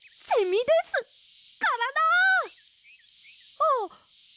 あっ！